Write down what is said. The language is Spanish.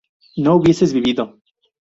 no hubieses vivido